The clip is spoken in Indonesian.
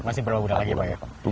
masih beberapa bulan lagi pak ya